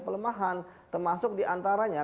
pelemahan termasuk diantaranya